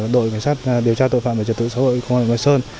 đội cảnh sát điều tra tội phạm và trật tự xã hội công an huyện mai sơn